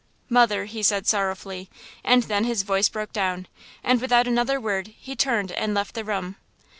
"Mother!" he said, sorrowfully, and then his voice broke down, and without another word he turned and left the room.